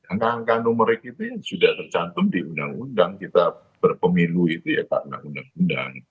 angka angka numerik itu yang sudah tercantum di undang undang kita berpemilu itu ya karena undang undang